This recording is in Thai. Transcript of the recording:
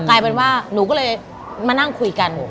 กลายเป็นว่าหนูก็เลยมานั่งคุยกัน